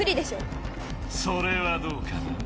それはどうかな？